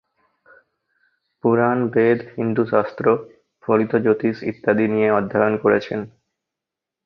পুরাণ, বেদ, হিন্দু শাস্ত্র, ফলিত জ্যোতিষ ইত্যাদি নিয়ে অধ্যয়ন করেছেন।